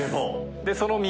でその右。